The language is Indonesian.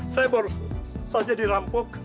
saya baru saja dirambok